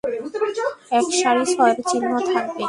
একসারি ছয়ের চিহ্ন থাকবে।